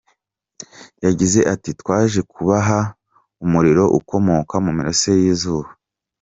Yagize ati “Twaje kubaha umuriro ukomoka mu mirasire y’izuba.